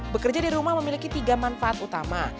bekerja di rumah memiliki tiga manfaat utama